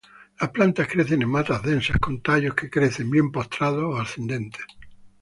Las plantas crecen en matas densas, con tallos que crecen, bien postrados o ascendentes.